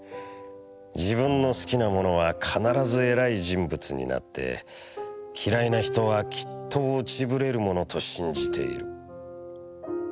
自分の好きなものは必ずえらい人物になって、嫌いなひとはきっと落ち振れるものと信じている。